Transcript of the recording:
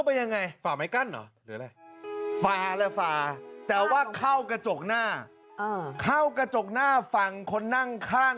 มันก็เลยงอเหรออ่ะจะเล่าให้ฟังอ่า